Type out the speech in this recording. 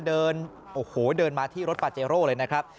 เดินโอ้โหเดินมาที่รถปาเจโร่เลยนะครับ